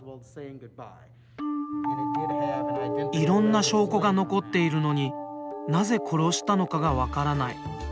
いろんな証拠が残っているのになぜ殺したのかが分からない。